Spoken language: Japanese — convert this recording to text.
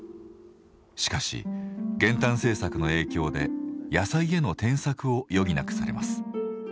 しかし減反政策の影響で野菜への転作を余儀なくされます。